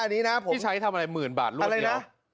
พี่ใช้ทำอะไรหมื่นบาทรวดเดียว